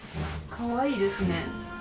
かわいいですね。